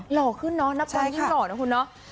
หล่อขึ้นเรานี่น้อยนะคุณคุณเนาะ